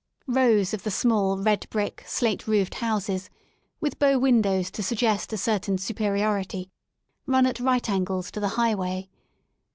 Rows of the small, red brick, slate roofed houses, with bow win dows to suggest a certain superiority, run at right angles to the highway.